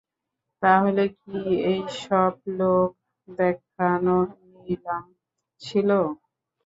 তাহলে কি এই সব লোক দেখানো নিলাম ছিল?